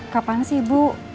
kapan sih ibu